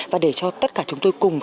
và để cho tất cả chúng tôi cùng